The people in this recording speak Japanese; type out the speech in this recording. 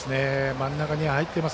真ん中に入っています。